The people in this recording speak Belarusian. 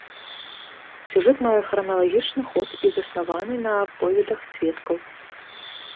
Сюжэт мае храналагічны ход і заснаваны на аповедах сведкаў.